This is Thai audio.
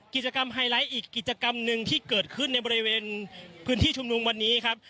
กิจกรรมไฮไลท์อีกกิจกรรมหนึ่งที่เกิดขึ้นในบริเวณพื้นที่ชุมนุมวันนี้ครับ